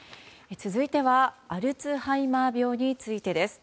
続いてはアルツハイマー病についてです。